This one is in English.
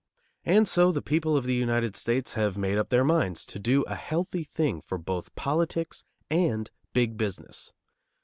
And so the people of the United States have made up their minds to do a healthy thing for both politics and big business.